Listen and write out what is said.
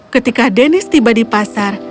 ketika denis tiba di pasar